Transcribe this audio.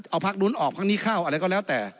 เอาภักดุลออกข้างนี้เข้าอะไรก็แล้วแต่